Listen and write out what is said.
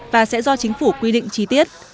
và sẽ do chính phủ quy định trí tiết